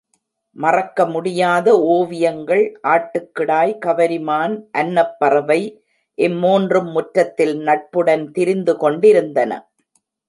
மறக்க முடியாத ஓவியங்கள் ஆட்டுக்கிடாய், கவரிமான் அன்னப்பறவை இம்மூன்றும் முற்றத்தில் நட்புடன் திரிந்து கொண்டிருந்தன.